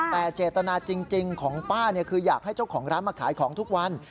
แต่เจตนาจริงของป้าคืออยากให้เจ้าของร้านมาขายของทุกวัน